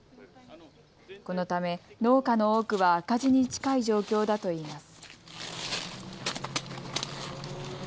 このため農家の多くは赤字に近い状況だといいます。